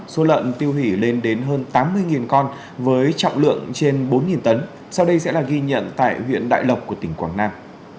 số lợn tiêu hủy lên đến hơn tám mươi con với trọng lượng trên bốn tấn sau đây sẽ là ghi nhận tại huyện đại lộc của tỉnh quảng nam